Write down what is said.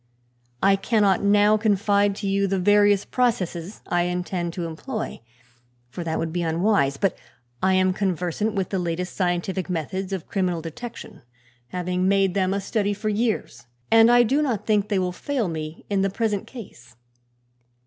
I cannot now confide to you the various processes I intend to employ, for that would be unwise; but I am conversant with the latest scientific methods of criminal detection, having made them a study for years, and I do not think they will fail me in the present case.